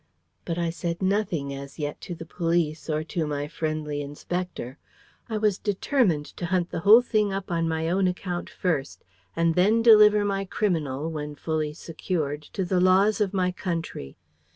But I said nothing as yet to the police, or to my friendly Inspector. I was determined to hunt the whole thing up on my own account first, and then deliver my criminal, when fully secured, to the laws of my country.